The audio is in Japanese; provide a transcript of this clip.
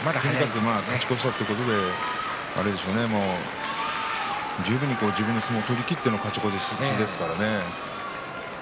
勝ち越したということで十分に自分の相撲を取りきっての勝利ですからね。